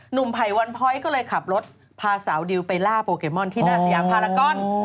ไผ่วันพ้อยก็เลยขับรถพาสาวดิวไปล่าโปเกมอนที่หน้าสยามพารากอน